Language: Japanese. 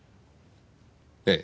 ええ。